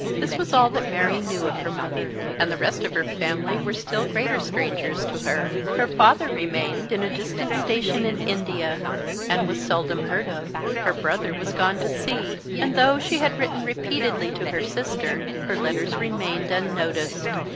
This was all that Mary knew of her mother, and the rest of her family were still greater strangers to her. Her father remained in a distant station in India, and was seldom heard of. Her brother was gone to sea; and though she had written repeatedly to her sister, her letters remained unnoticed.